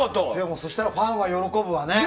そうしたらファンは喜ぶわな。